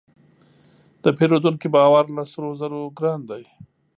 د پیرودونکي باور له سرو زرو ګران دی.